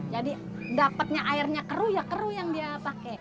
jadi dapatnya airnya keruh ya keruh yang dia pakai